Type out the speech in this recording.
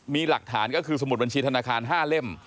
มีหลักฐานก็คือสมุดบัญชีธนาคาร๕เล่ม